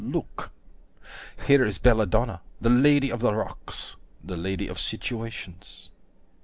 Look!) Here is Belladonna, the Lady of the Rocks, The lady of situations.